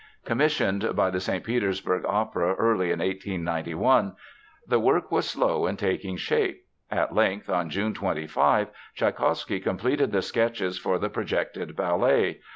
Commissioned by the St. Petersburg Opera early in 1891, the work was slow in taking shape. At length, on June 25, Tschaikowsky completed the sketches for the projected ballet.